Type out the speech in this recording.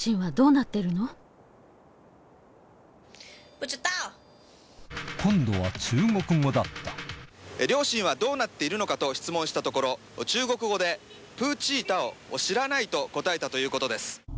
翌日今度は中国語だった両親はどうなっているのかと質問したところ中国語で「不知道」「知らない」と答えたということです。